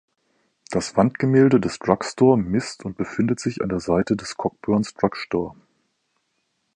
Das Wandgemälde des Drug Store misst und befindet sich an der Seite des Cockburn's Drugstore.